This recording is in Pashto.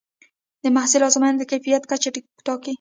د محصول ازموینه د کیفیت کچه ټاکي.